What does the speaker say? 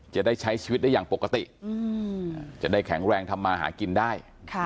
จะได้ใช้ชีวิตได้อย่างปกติจะได้แข็งแรงทำมาหากินได้